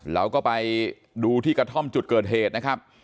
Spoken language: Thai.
เราก็ไปดูที่กระท่อมจุดเกิดเหตุนะครับ